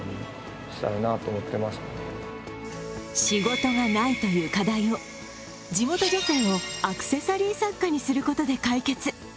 仕事がないという課題を地元女性をアクセサリー作家にすることで解決。